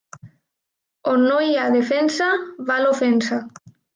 On no hi ha defensa va l'ofensa.